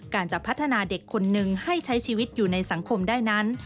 จะพัฒนาเด็กคนนึงให้ใช้ชีวิตอยู่ในสังคมได้นั้น